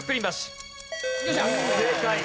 正解。